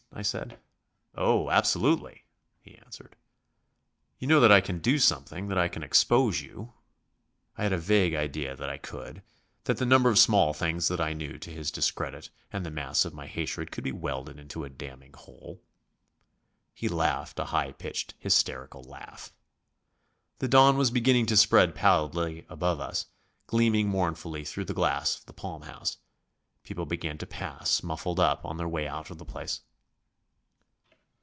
I said. "Oh, absolutely," he answered. "You know that I can do something, that I can expose you." I had a vague idea that I could, that the number of small things that I knew to his discredit and the mass of my hatred could be welded into a damning whole. He laughed a high pitched, hysterical laugh. The dawn was beginning to spread pallidly above us, gleaming mournfully through the glass of the palm house. People began to pass, muffled up, on their way out of the place.